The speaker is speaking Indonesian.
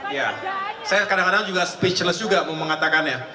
ya saya kadang kadang juga speechless juga mengatakannya